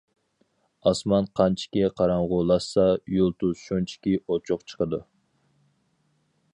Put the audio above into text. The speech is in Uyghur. ئاسمان قانچىكى قاراڭغۇلاشسا يۇلتۇز شۇنچىكى ئوچۇق چىقىدۇ.